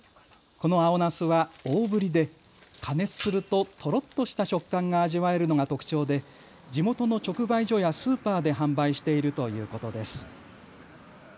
この青なすは大ぶりで加熱すると、とろっとした食感が味わえるのが特徴で地元の直売所やスーパーで販売しているということです。